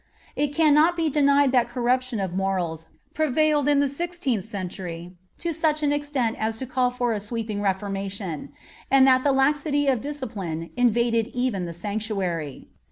(54) It cannot be denied that corruption of morals prevailed in the sixteenth century to such an extent as to call for a sweeping reformation, and that laxity of discipline invaded even the sanctuary.